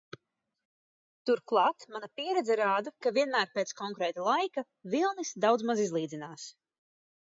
Turklāt, mana pieredze rāda, ka vienmēr pēc konkrēta laika, vilnis daudzmaz izlīdzinās.